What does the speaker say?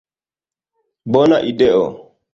Bona ideo!